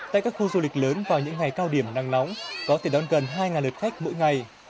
tại các khu du lịch lớn vào những ngày cao điểm nắng nóng có thể đón gần hai lượt khách mỗi ngày